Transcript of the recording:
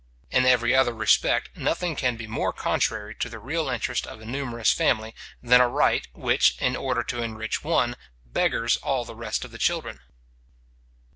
In every other respect, nothing can be more contrary to the real interest of a numerous family, than a right which, in order to enrich one, beggars all the rest of the children.